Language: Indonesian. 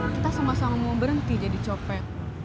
kita sama sama mau berhenti jadi copet